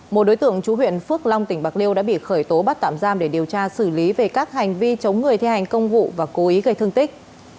một đối tượng chú huyện phước long tỉnh bạc liêu đã bị khởi tố bắt tạm giam để điều tra xử lý về các hành vi chống người thi hành công vụ và cố ý gây thương tích